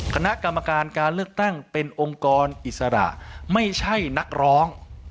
คณะกรรมการการเลือกตั้งเป็นองค์กรอิสระไม่ใช่นักร้อง